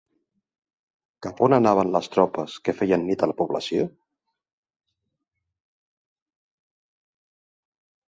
Cap on anaven les tropes que feien nit a la població?